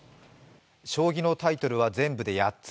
将棋のタイトルは全部で８つ。